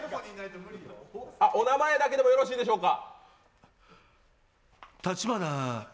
お名前だけでもよろしいでしょうか。